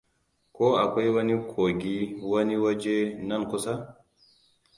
Ko akwai wani kogi wani waje nan kusa?